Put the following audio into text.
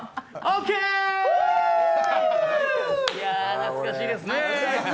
懐かしいですね！